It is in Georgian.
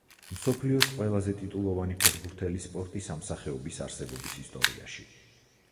მსოფლიოს ყველაზე ტიტულოვანი ფეხბურთელი სპორტის ამ სახეობის არსებობის ისტორიაში.